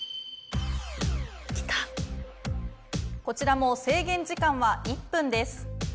こちらも制限時間は１分です。